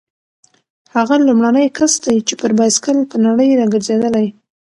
هغه لومړنی کس دی چې پر بایسکل په نړۍ راګرځېدلی.